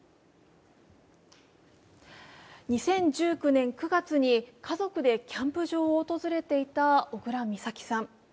２０１９年９月に家族でキャンプ場を訪れていた小倉美咲さん。